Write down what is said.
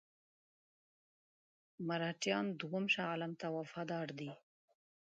مرهټیان دوهم شاه عالم ته وفادار دي.